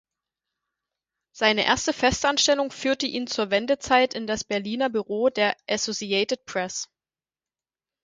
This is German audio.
Seine erste Festanstellung führte ihn zur Wendezeit in das Berliner Büro der "Associated Press".